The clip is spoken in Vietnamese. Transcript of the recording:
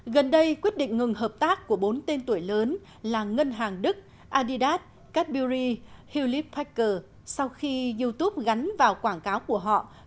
gần đây quyết định ngừng hợp tác của bốn tên tuổi lớn là ngân hàng đức adidas cadbury hewlett packard sau khi youtube gắn vào quảng cáo của họ